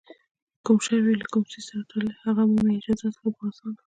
کوم شر وي له کوم څیز سره تړلی، هغه مومي اجازت ښه په اسانه